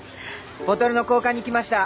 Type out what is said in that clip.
ボトルの交換に来ました！